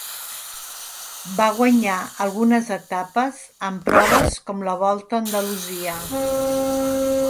Va guanyar algunes etapes en proves com la Volta a Andalusia.